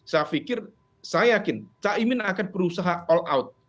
saya yakin caimin akan berusaha all out